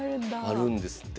あるんですって。